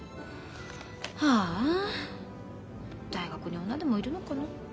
はあ大学に女でもいるのかな。